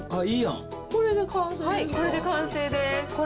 これで完成ですか？